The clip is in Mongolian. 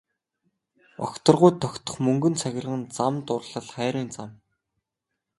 Огторгуйд тогтох мөнгөн цагирган зам дурлал хайрын зам.